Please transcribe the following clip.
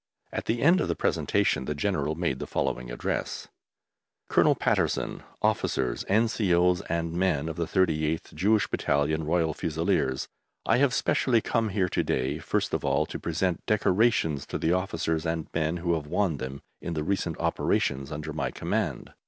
At the end of the presentation the General made the following address: Colonel Patterson, Officers, N.C.O.s, and men of the 38th Jewish Battalion Royal Fusiliers, I have specially come here to day, first of all to present decorations to the officers and men who have won them in the recent operations under my command.